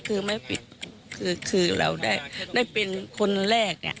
คือเราได้เป็นคนแรก